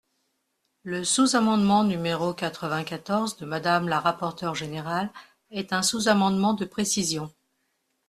Le sous-amendement numéro quatre-vingt-quatorze de Madame la rapporteure générale est un sous-amendement de précision.